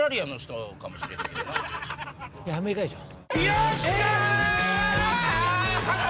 いやアメリカでしょ。